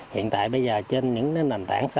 hiện tại bây giờ trên những nền tảng xã hội